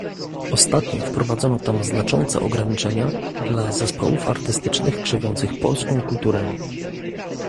Ostatnio wprowadzono tam znaczące ograniczenia dla zespołów artystycznych krzewiących polską kulturę